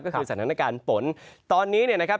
ก็คือสถานการณ์ฝนตอนนี้เนี่ยนะครับ